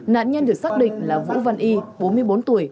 nạn nhân được xác định là vũ văn y bốn mươi bốn tuổi